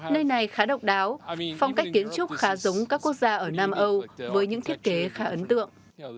nơi này khá độc đáo phong cách kiến trúc khá giống các quốc gia ở nam âu với những thiết kế khá ấn tượng